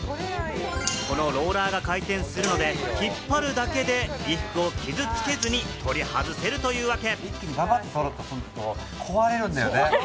このローラーが回転するので、引っ張るだけで衣服を傷つけずに取り外せるというわけ。